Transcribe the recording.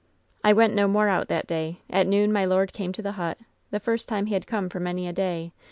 "I went no more out that day. At noon my lord came to the hut, the first time he had come for many a day.